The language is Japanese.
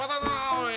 おい！